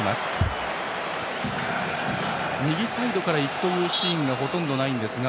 右サイドから行くというシーンがほとんどないんですが。